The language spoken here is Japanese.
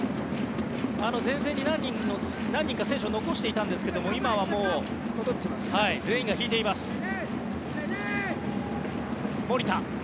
前線に何人か選手を残していたんですけど今はもう、全員が引いています。